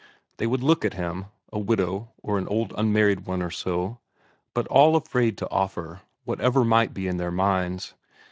They would look at him, a widow or an old unmarried one or so, but all afraid to offer, whatever might be in their minds.